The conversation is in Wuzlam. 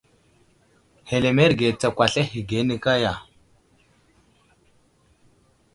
Hələmerge tsakwasl ahəge ane kaya.